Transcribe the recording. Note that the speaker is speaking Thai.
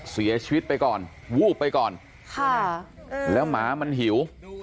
เสียชีวิตไปก่อนวูบไปก่อนค่ะแล้วหมามันหิว